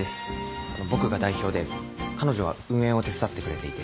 僕が代表で彼女は運営を手伝ってくれていて。